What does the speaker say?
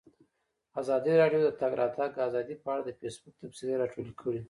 ازادي راډیو د د تګ راتګ ازادي په اړه د فیسبوک تبصرې راټولې کړي.